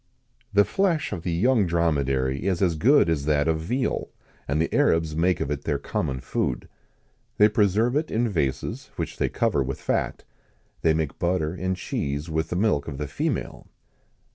"The flesh of the young dromedary is as good as that of veal, and the Arabs make of it their common food. They preserve it in vases, which they cover with fat. They make butter and cheese with the milk of the female."